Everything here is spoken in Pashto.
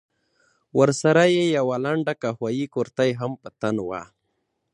ورسره يې يوه لنډه قهويي کورتۍ هم په تن وه.